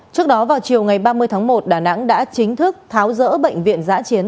trước đó vào chiều ngày ba mươi tháng một đà nẵng đã chính thức tháo rỡ bệnh viện giã chiến